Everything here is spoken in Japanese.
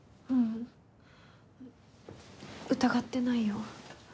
ううん疑ってないよ。